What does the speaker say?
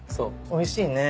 おいしいね。